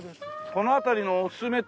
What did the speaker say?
この辺りのおすすめってのは？